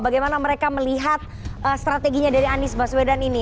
bagaimana mereka melihat strateginya dari anies baswedan ini